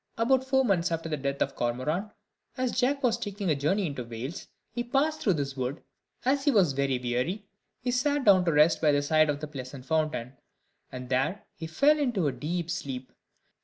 About four months after the death of Cormoran, as Jack was taking a journey into Wales, he passed through this wood; and, as he was very weary, he sat down to rest by the side of a pleasant fountain, and there he fell into a deep sleep.